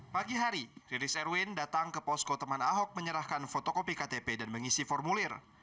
pagi hari rilis erwin datang ke posko teman ahok menyerahkan fotokopi ktp dan mengisi formulir